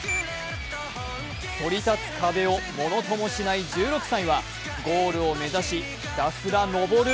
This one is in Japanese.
そり立つ壁をものともしない１６歳はゴールを目指し、ひたすら登る。